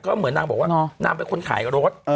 ก็เหมือนนางบอกว่านางเป็นคนขายรถ